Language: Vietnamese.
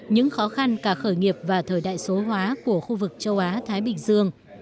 những khó khăn cả khởi nghiệp và thời đại số hóa của khu vực châu á thái bình dương